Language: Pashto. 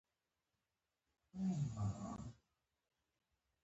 افغان ملت تل یرغلګرو ته غاښ ماتوونکی ځواب ورکړی دی